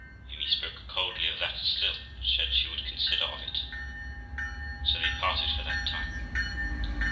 Amy spoke coldly of that still, but said she would consider of it ; and so they parted for that time.